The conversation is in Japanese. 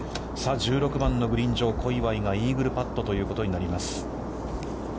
１６番のグリーン上、小祝がイーグルパットということになります。